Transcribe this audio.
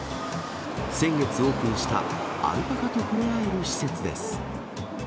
先月オープンしたアルパカと触れ合える施設です。